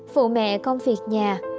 phụ mẹ công việc nhà